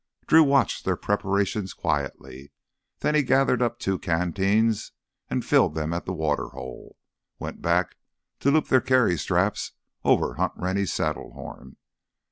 Drew watched their preparations quietly. Then he gathered up two canteens and filled them at the water hole, went back to loop their carry straps over Hunt Rennie's saddle horn.